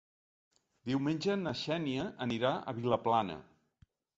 Diumenge na Xènia anirà a Vilaplana.